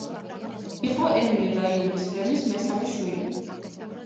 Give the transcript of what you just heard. იყო ემილი და იულის რემის მესამე შვილი.